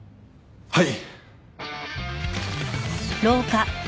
はい。